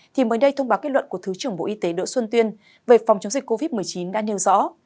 thì mới đây thông báo kết luận của thứ trưởng bộ y tế đỗ xuân tuyên về phòng chống dịch covid một mươi chín đã nêu rõ